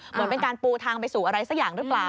เหมือนเป็นการปูทางไปสู่อะไรสักอย่างหรือเปล่า